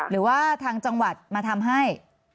หรือว่าทางจังหวัดมาทำให้